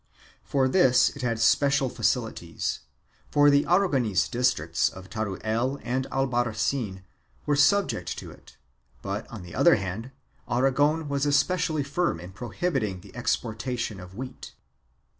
For this it had special facilities, for the Aragonese districts of Teruel and Albarracin were subject to it, but, on the other hand, Aragon was especially firm in pro hibiting the exportation of wheat.